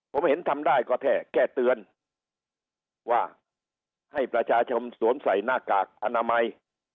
ผมเห็นทำได้ก็แค่แค่เตือนว่าให้ประชาชนสวมใส่หน้ากากอนามัย